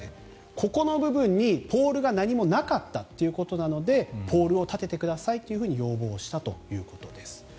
ここの部分にポールが何もなかったということなのでポールを立ててくださいと要望したということです。